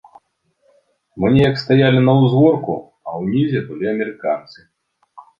Мы неяк стаялі на ўзгорку, а ўнізе былі амерыканцы.